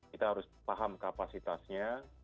kita harus paham kapasitasnya